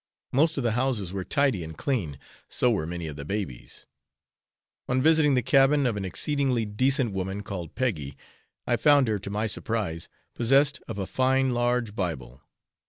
Most of the houses were tidy and clean, so were many of the babies. On visiting the cabin of an exceedingly decent woman called Peggy, I found her, to my surprise, possessed of a fine large bible.